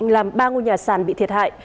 làm ba ngôi nhà sàn bị thiệt hại